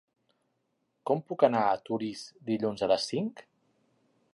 Com puc anar a Torís dilluns a les cinc?